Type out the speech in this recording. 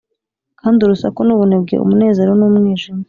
kandi urusaku n'ubunebwe, umunezero n'umwijima.